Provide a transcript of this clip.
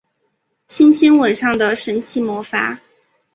轻轻吻上的神奇魔法